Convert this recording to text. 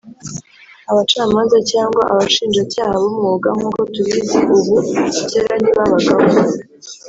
abacamanza cyangwa abashinjacyaha b’umwuga nk’uko tubizi ubu , kera ntibabagaho